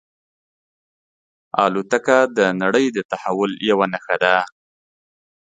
الوتکه د نړۍ د تحول یوه نښه ده.